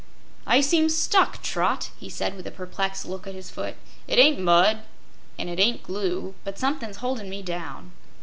"I seem stuck, Trot," he said, with a perplexed look at his foot. "It ain't mud, an' it ain't glue, but somethin's holdin' me down."